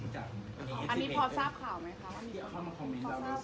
เจ้าทราบข่าวไหมคะว่าเดี๋ยวข้อมูลขอบคุณก่อนแล้วสิ